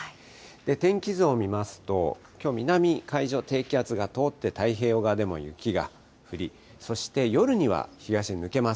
天気図を見ますと、きょう、南海上、低気圧が通って、太平洋側でも雪が降り、そして夜には東に抜けます。